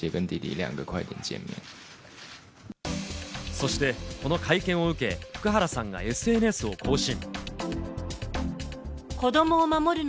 そして、この会見を受け、福原さんがＳＮＳを更新。